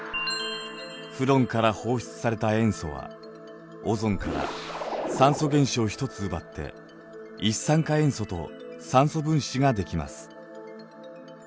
フロンから放出された塩素はオゾンから酸素原子を一つ奪って一酸化塩素と酸素分子が出来ます。